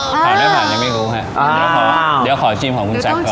ของในผ่านยังไม่รู้ค่ะเดี๋ยวขอชิมของคุณแจ๊กก่อน